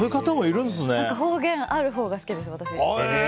方言あるほうが好きです。